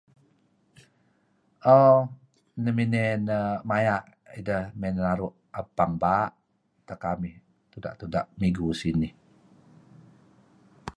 Mo neh miney maya' deh naru' ebpeng baa' kekamih minggu sinih